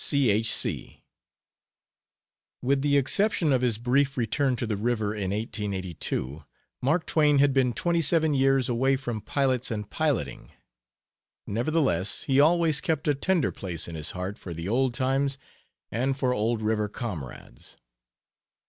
C. H. C. With the exception of his brief return to the river in 1882. Mark Twain had been twenty seven years away from pilots and piloting. Nevertheless, he always kept a tender place in his heart for the old times and for old river comrades.